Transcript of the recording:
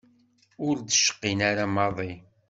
Ur d-cqint ara maḍi.